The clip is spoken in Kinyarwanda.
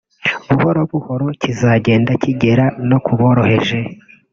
buhoro buhoro kizagenda kigera no kuboroheje